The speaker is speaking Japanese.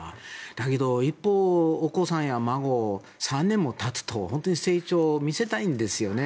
だけど一方、お子さんや孫も３年もたつと、本当に成長を見せたいんですよね。